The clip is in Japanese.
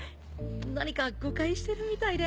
何か誤解してるみたいで。